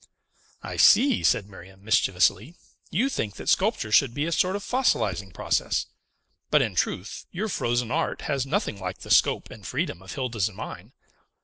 "I see," said Miriam mischievously, "you think that sculpture should be a sort of fossilizing process. But, in truth, your frozen art has nothing like the scope and freedom of Hilda's and mine.